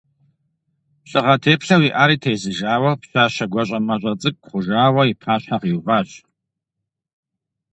Лӏыгъэ теплъэу иӏари тезыжауэ пщащэ гуащӏэмащӏэ цӏыкӏу хъужауэ и пащхьэ къиуващ.